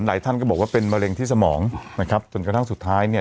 ท่านก็บอกว่าเป็นมะเร็งที่สมองนะครับจนกระทั่งสุดท้ายเนี่ย